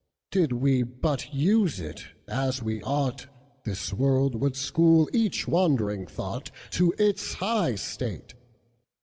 Did we but use it as we ought, This world would school each wandering thoughtTo its high state.